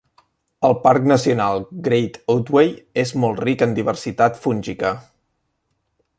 El parc nacional Great Otway és molt ric en diversitat fúngica.